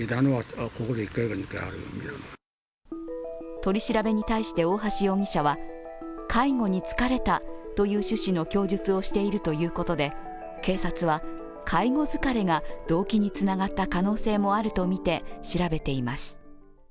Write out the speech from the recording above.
取り調べに対して大橋容疑者は介護に疲れたという趣旨の供述をしているということで、警察は介護疲れが動機につながった可能性もあるとみて調べています。